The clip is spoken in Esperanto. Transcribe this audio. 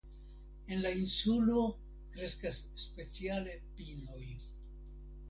En la insulo kreskas speciale pinoj.